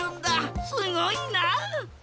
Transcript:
すごいな！